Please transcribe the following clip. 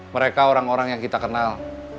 mereka orang orang yang kita kenal